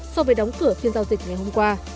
so với đóng cửa phiên giao dịch ngày hôm qua